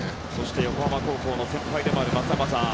横浜高校の先輩でもある松坂さん。